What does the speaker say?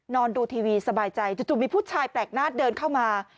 ดูทีวีสบายใจจู่มีผู้ชายแปลกหน้าเดินเข้ามา